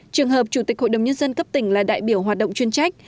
trường hợp chủ tịch hội đồng nhân dân cấp tỉnh là đại biểu hoạt động chuyên trách